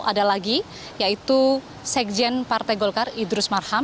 ada lagi yaitu sekjen partai golkar idrus marham